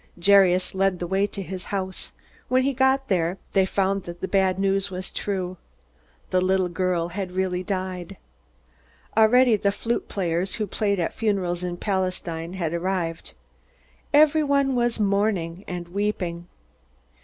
Jairus led the way to his house. When they got there they found that the bad news was true. The little girl had really died. Already the flute players, who played at funerals in Palestine, had arrived. Everyone was mourning and weeping.